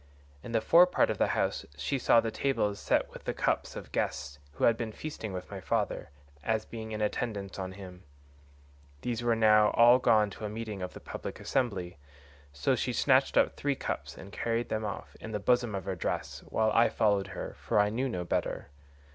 In the fore part of the house she saw the tables set with the cups of guests who had been feasting with my father, as being in attendance on him; these were now all gone to a meeting of the public assembly, so she snatched up three cups and carried them off in the bosom of her dress, while I followed her, for I knew no better.